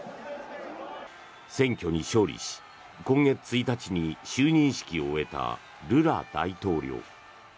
選挙に勝利し、今月１日に就任式を終えたルラ大統領。